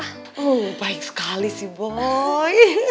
oh baik sekali si boy